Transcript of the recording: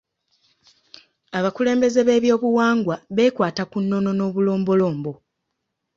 Abakulembeze b'ebyobuwangwa beekwata ku nnono n'obulombolombo.